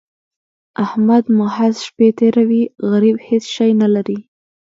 احمد محض شپې تېروي؛ غريب هيڅ شی نه لري.